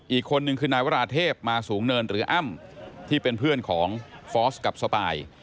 อีกคนนึงคือนายวราเทพมาสูงเนินหรืออ้ำที่เป็นเพื่อนของฟอสกับสปาย